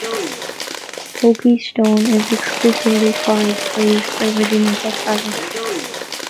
Hokie Stone is exclusively quarried for use by Virginia Tech projects.